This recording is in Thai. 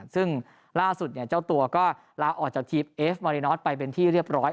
ซึ่งล่าสุดเจ้าตัวก็ลาออกจากทีมเอฟมารินอทไปเป็นที่เรียบร้อย